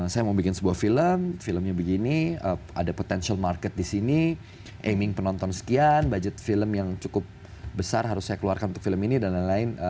saya mau bikin sebuah film filmnya begini ada potential market di sini aming penonton sekian budget film yang cukup besar harus saya keluarkan untuk film ini dan lain lain